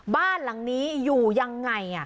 บ้านหลังนี้อยู่ยังไง